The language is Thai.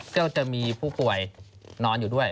ก็จะมีผู้ป่วยนอนอยู่ด้วย